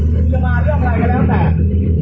กูจะมาเรื่องอะไรกันแล้วแสดง